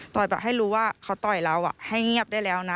ให้รู้ว่าเขาต่อยเราให้เงียบได้แล้วนะ